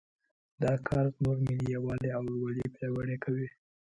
دا کار زموږ ملي یووالی او ورورولي پیاوړی کوي